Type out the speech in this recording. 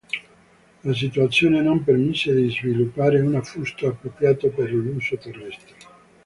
La situazione non permise di sviluppare un affusto appropriato per l'uso terrestre.